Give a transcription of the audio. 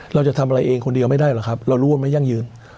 เราจะทำอะไรเองคนเดียวไม่ได้หรอกครับเรารู้ว่าไม่ยั่งยืน